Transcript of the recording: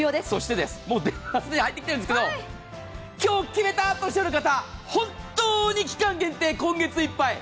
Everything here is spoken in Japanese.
もう電話既に入ってきているんですけど、今日決めたとおっしゃる方、本当に期間限定、今月いっぱい。